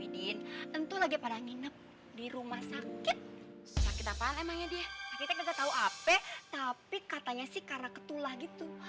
di rumah sakit sakit apa emangnya dia kita nggak tahu apa tapi katanya sih karena ketulah gitu